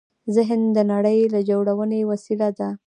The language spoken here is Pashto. ذهن د نړۍ د جوړونې وسیله ده.